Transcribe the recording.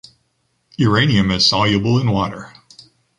Uranium is soluble in water.